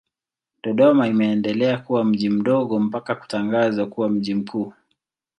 Dodoma imeendelea kuwa mji mdogo mpaka kutangazwa kuwa mji mkuu.